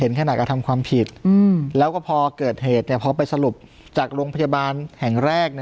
เห็นขนาดอธรรมความผิดอืมแล้วก็พอเกิดเหตุเนี้ยเพราะไปสรุปจากโรงพยาบาลแห่งแรกน่ะ